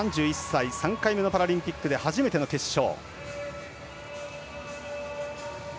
３回目のパラリンピックで初めての決勝。